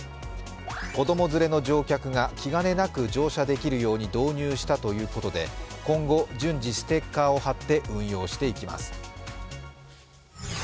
子供連れの乗客が気兼ねなく乗車できるように導入したということで今後、順次ステッカーを貼って運用していきます。